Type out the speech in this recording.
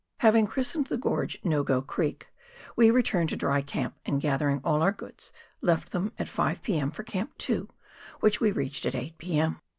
Having christened the gorge " No Go " Creek, we returned to Dry Camp, and, gathering all our goods, left them at 5 p.m. for Camp 2, which we reached at 8 p.m.